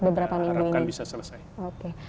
harapkan bisa selesai